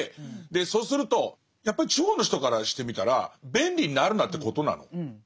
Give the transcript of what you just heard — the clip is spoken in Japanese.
でそうするとやっぱり地方の人からしてみたら便利になるなってことなの？っていう。